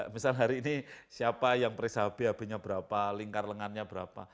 misal hari ini siapa yang perisah bab nya berapa lingkar lengannya berapa